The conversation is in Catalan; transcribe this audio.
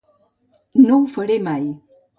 No ho faré mai.